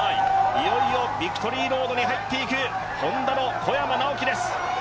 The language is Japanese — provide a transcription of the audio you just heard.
いよいよビクトリーロードに入っていくＨｏｎｄａの小山直城です